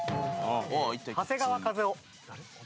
長谷川一夫。